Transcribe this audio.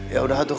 ya udah atuh